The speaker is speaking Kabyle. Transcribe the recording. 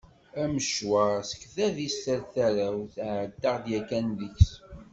Amecwar seg tadist ar tarrawt, ɛeddaɣ-d yakkan deg-s.